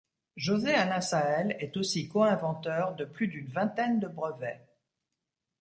José-Alain Sahel est aussi co-inventeur de plus d'une vingtaine de brevets.